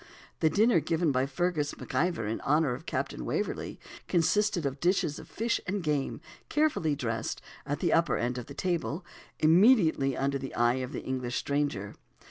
The dinner given by Fergus MacIvor, in honour of Captain Waverley, consisted of dishes of fish and game, carefully dressed, at the upper end of the table, immediately under the eye of the English stranger.